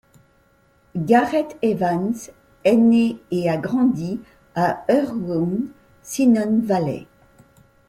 Gareth Evans est né et a grandi à Hirwaun, Cynon Valley.